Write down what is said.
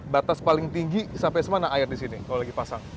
batas paling tinggi sampai mana air disini kalau lagi pasang